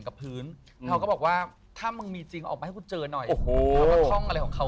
คืออย่าไปยุ่งกับเขา